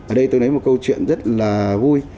ở đây tôi nói một câu chuyện rất là vui